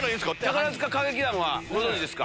宝塚歌劇団はご存じですか？